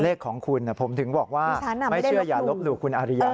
เลขของคุณผมถึงบอกว่าไม่เชื่ออย่าลบหลู่คุณอาริยา